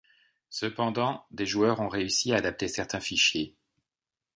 Cependant, des joueurs ont réussi à adapter certains fichiers.